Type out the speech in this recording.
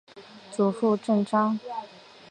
祖父郑肇。